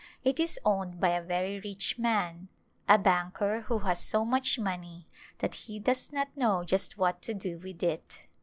It is owned by a very rich man, a banker who has so much money that he does not know just what to do with it.